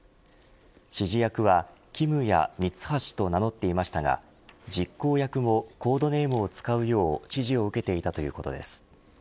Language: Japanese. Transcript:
指示役は、キムやミツハシと名乗っていましたが実行役もコードネームを使うよう指示を受けていたということです。